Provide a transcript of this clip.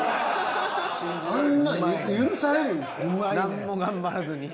何も頑張らずに。